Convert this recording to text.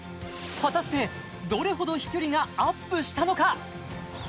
果たしてどれほど飛距離がアップしたのか？